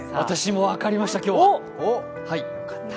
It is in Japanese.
私も分かりました、今日は。